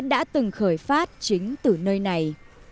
có lẽ đã từng khởi phát chính từ nơi này